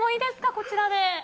こちらで。